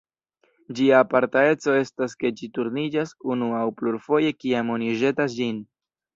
Ĝia aparta eco estas ke ĝi turniĝas unu aŭ plurfoje kiam oni ĵetas ĝin.